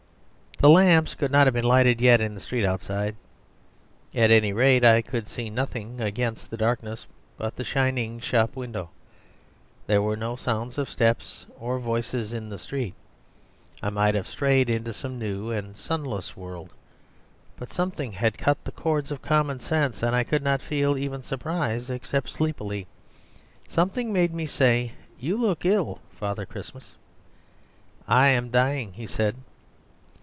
The lamps could not have been lighted yet in the street outside. At any rate, I could see nothing against the darkness but the shining shop window. There were no sounds of steps or voices in the street; I might have strayed into some new and sunless world. But something had cut the chords of common sense, and I could not feel even surprise except sleepily. Something made me say, "You look ill, Father Christmas." "I am dying," he said.